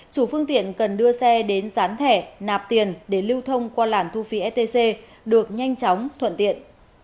chủ phương tiện cần đưa xe đến dán thẻ nạp tiền để lưu thông qua làn thu phí stc được nhanh chóng thuận tiện